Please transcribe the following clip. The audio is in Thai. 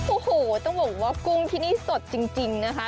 โอ้โหต้องบอกว่ากุ้งที่นี่สดจริงนะคะ